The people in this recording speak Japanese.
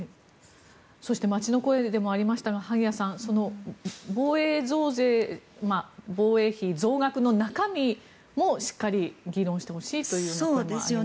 そして街の声でもありましたが防衛増税、防衛費増額の中身もしっかり議論してほしいということもありますね。